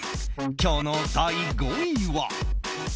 今日の第５位は。